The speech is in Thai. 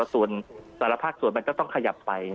ส่วนแต่ละภาคส่วนมันก็ต้องขยับไป